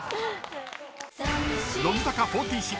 ［乃木坂４６